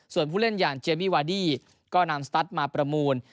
ส่วนผู้เล่นอย่างเจมมี่วาดี้ก็นำสตัสมาประมูล